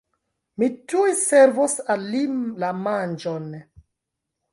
Mi tuj servos al li la manĝon.